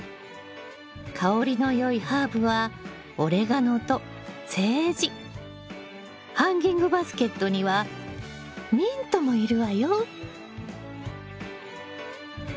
香りのよいハーブはハンギングバスケットにはミントもいるわよ。